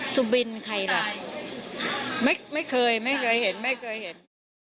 สุบินใครล่ะไม่เคยไม่เคยเห็นไม่เคยเห็น